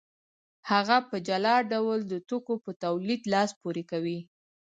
هغه په جلا ډول د توکو په تولید لاس پورې کوي